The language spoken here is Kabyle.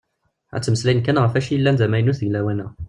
La ttmeslayen kan ɣef wacu yellan d amaynut deg lawan-a.